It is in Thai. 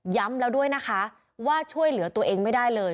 แล้วด้วยนะคะว่าช่วยเหลือตัวเองไม่ได้เลย